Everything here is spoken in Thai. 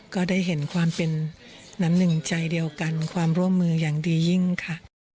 ก็ได้เห็นความเป็นน้ำหนึ่งใจเดียวกันความร่วมมืออย่างดียิ่งค่ะ